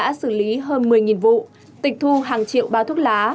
có thể xử lý hơn một mươi vụ tịch thu hàng triệu bao thuốc lá